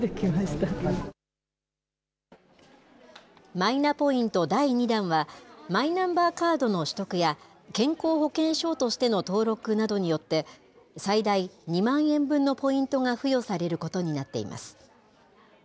マイナポイント第２弾は、マイナンバーカードの取得や、健康保険証としての登録などによって、最大２万円分のポイントが付与されることになっています。